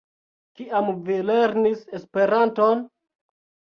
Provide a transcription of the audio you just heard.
Kiam vi lernis Esperanton?